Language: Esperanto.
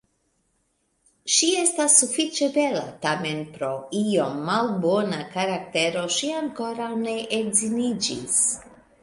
Ŝi estas sufiĉe bela, tamen pro iom malbona karaktero ŝi ankoraŭ ne edziniĝis.